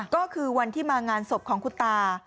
ก็คือวันที่มางานศพของคุณตา